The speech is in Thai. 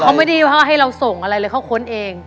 เขาไม่ได้ว่าให้เราส่งอะไรเลยเขาค้นเอง